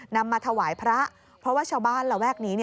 นำมาถวายพระเพราะว่าชาวบ้านระแวกนี้